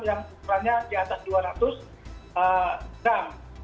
yang ukurannya di atas dua ratus gram